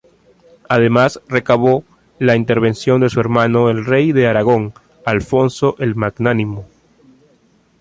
Además recabó la intervención de su hermano el rey de Aragón Alfonso el Magnánimo.